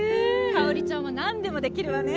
香織ちゃんは何でもできるわね